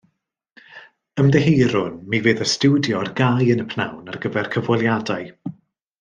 Ymddiheurwn, mi fydd y stiwdio ar gau yn y pnawn ar gyfer cyfweliadau